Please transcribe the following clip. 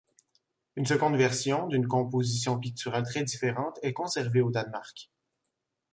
Une seconde version, d'une composition picturale très différente, est conservée au Danemark.